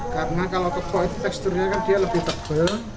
karena kalau kepok itu teksturnya kan dia lebih tebal